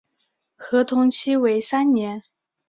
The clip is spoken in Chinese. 合同期为三年。